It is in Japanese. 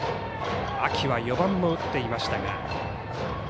秋は４番も打っていましたが。